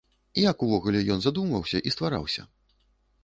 Як увогуле ён задумваўся і ствараўся?